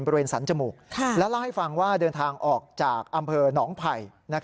บริเวณสันจมูกและเล่าให้ฟังว่าเดินทางออกจากอำเภอหนองไผ่